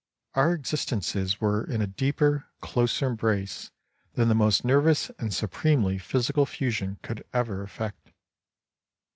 Our existences were in a deeper, closer embrace than the most nervous and supremely physical fusion could ever effect.